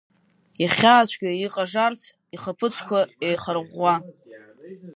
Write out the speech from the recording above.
Ихьаацәгьа иҟажарц ихаԥыцқәа еихарӷәӷәа.